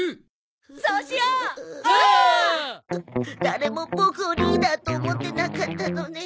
誰もボクをリーダーと思ってなかったのね。